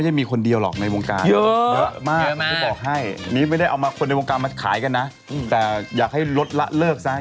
เยอะมากไม่ได้บอกให้นี่ไม่ได้เอาคนในวงกรามมาขายกันนะแต่อยากให้ลดละเลิกซะ